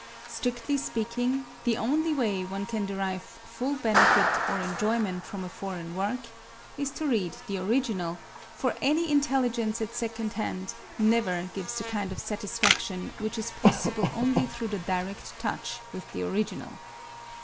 Strictly speaking, the only way one can derive full benefit or enjoyment from a foreign work is to read the original, for any intelligence at second hand never gives the kind of satisfaction which is possible only through the direct touch with the original.